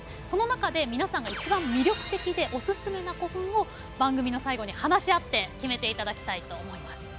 その中で皆さんが一番魅力的でオススメな古墳を番組の最後に話し合って決めていただきたいと思います。